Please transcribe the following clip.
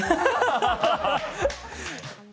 ハハハハ！